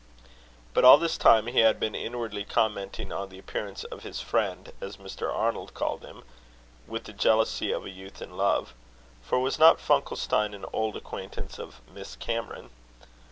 But all this time he had been inwardly commenting on the appearance of his friend, as Mr. Arnold called him, with the jealousy of a youth in love; for was not Funkelstein an old acquaintance of Miss Cameron?